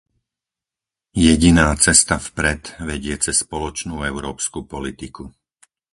Jediná cesta vpred vedie cez spoločnú európsku politiku.